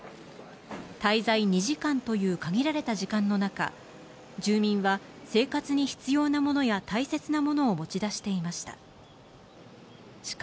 滞在２時間という限られた時間の中、住民は生活に必要なものや大切なものを持ち出していました。